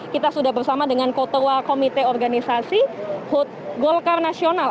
kita sudah bersama dengan kotoa komite organisasi golkar nasional